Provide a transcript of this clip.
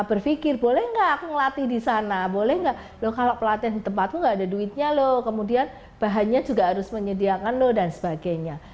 berpikir boleh nggak aku ngelatih di sana boleh nggak kalau pelatihan di tempat itu nggak ada duitnya kemudian bahannya juga harus menyediakan dan sebagainya